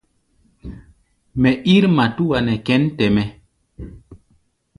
Mɛ ír matúa nɛ kěn tɛ-mɛ́.